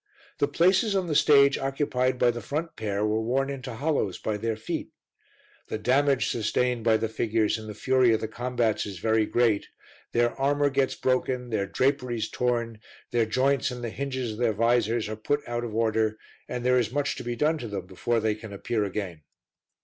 The places on the stage occupied by the front pair were worn into hollows by their feet. The damage sustained by the figures in the fury of the combats is very great; their armour gets broken, their draperies torn, their joints and the hinges of their vizors are put out of order and there is much to be done to them before they can appear again.